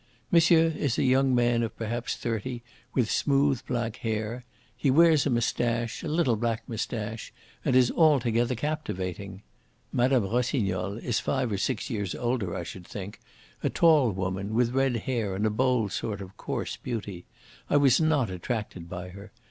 Monsieur is a young man of perhaps thirty, with smooth, black hair. He wears a moustache, a little black moustache, and is altogether captivating. Mme. Rossignol is five or six years older, I should think a tall woman, with red hair and a bold sort of coarse beauty. I was not attracted by her.